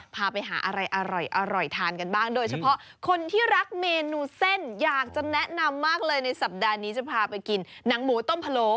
พาไปหาอะไรอร่อยทานกันบ้างโดยเฉพาะคนที่รักเมนูเส้นอยากจะแนะนำมากเลยในสัปดาห์นี้จะพาไปกินหนังหมูต้มพะโล